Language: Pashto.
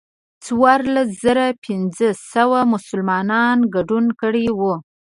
څوارلس زره پنځه سوه مسلمانانو ګډون کړی و.